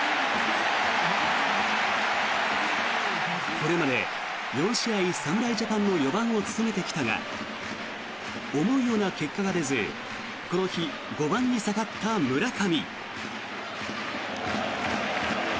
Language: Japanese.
これまで４試合侍ジャパンの４番を務めてきたが思うような結果が出ずこの日、５番に下がった村上。